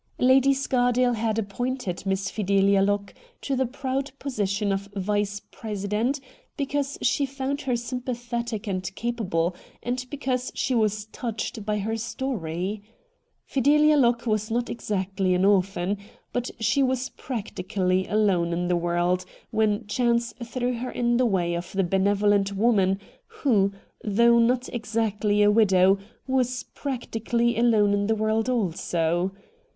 Lady Scardale had appointed Miss Fidelia Locke to the proud position of vice president because she found her sympathetic and capable, and because she was touched by her story. Fideha Locke was not exactly an orphan, but she was practically alone in the UDELIA LOCKE 149 world when chance threw her in the way of the benevolent woman who, though not exactly a widow, was practically alone in the world also.